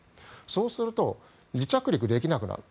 そうすると離着陸できなくなる。